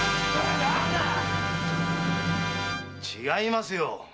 違いますよ。